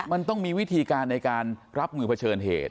มันต้องมีวิธีการในการรับมือเผชิญเหตุ